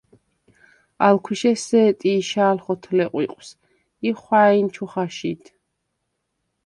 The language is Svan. ალ ქვიშე სე̄ტიშა̄ლ ხოთლე ყვიყვს ი ხვა̄̈ჲნ ჩუ ხაშიდ.